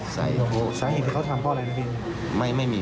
สายหินเขาทำมาอะไรเนี่ย